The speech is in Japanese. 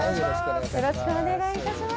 よろしくお願いします。